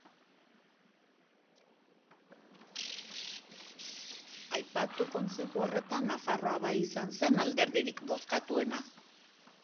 Aipatu kontzeju horretan Nafarroa Bai izan zen alderdirik bozkatuena.